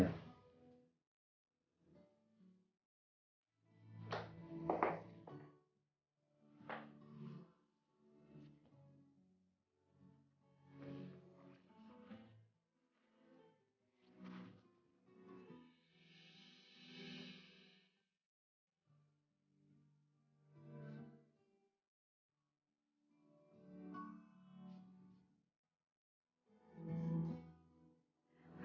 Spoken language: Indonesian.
ngerjainlah kan aku nuh blast robots nih yuk